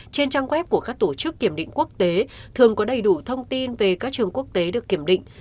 trên trang web của các tổ chức kiểm định quốc tế thường có đầy đủ thông tin về các trường quốc tế được kiểm định